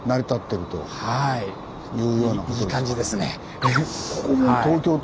いい感じですね。